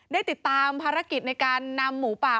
ได้ติดตามภารกิจในการนำหมูป่า